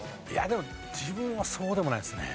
でも自分はそうでもないですね。